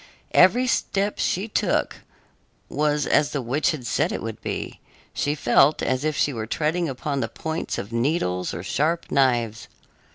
] Every step she took was as the witch had said it would be; she felt as if she were treading upon the points of needles or sharp knives.